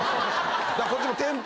こっちも。